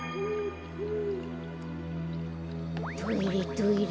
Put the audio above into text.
トイレトイレ